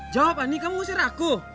jawab ani kamu ngusir aku